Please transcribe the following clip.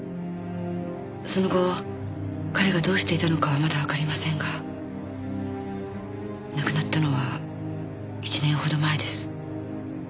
その後彼がどうしていたのかはまだわかりませんが亡くなったのは１年ほど前です。